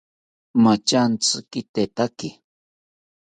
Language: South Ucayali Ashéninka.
Mathantzi kitetaki